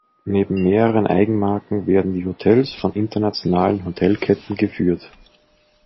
Neben mehreren Eigenmarken werden die Hotels von internationalen Hotelketten geführt.